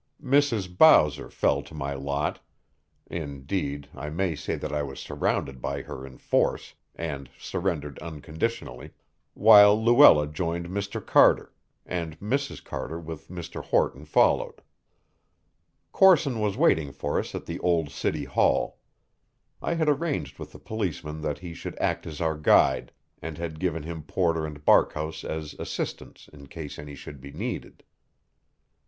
Mrs. Bowser fell to my lot indeed, I may say that I was surrounded by her in force, and surrendered unconditionally while Luella joined Mr. Carter, and Mrs. Carter with Mr. Horton followed. Corson was waiting for us at the old City Hall. I had arranged with the policeman that he should act as our guide, and had given him Porter and Barkhouse as assistants in case any should be needed.